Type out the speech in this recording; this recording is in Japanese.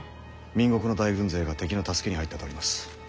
明国の大軍勢が敵の助けに入ったとあります。